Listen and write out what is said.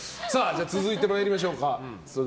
続いて参りましょうか。